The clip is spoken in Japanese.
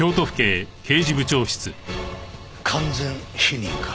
完全否認か。